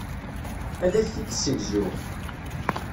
Ad ak-t-id-ssegzuɣ.